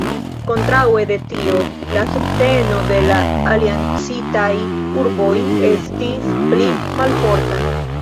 Kontraŭe de tio la subteno de la aliancitaj urboj estis pli malforta.